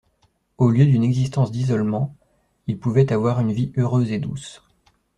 Au lieu d'une existence d'isolement, il pouvait avoir une vie heureuse et douce.